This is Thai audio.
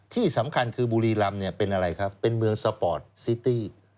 ที่สำคัญคือบุรีรำเนี่ยเป็นอะไรครับเป็นเมืองสปอร์ตซิตี้